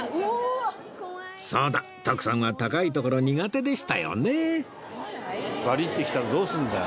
そうだ徳さんは高い所苦手でしたよね